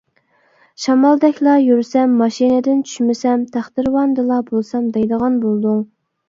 شامالدەكلا يۈرسەم، ماشىنىدىن چۈشمىسەم، تەختىراۋاندىلا بولسام دەيدىغان بولدۇڭ.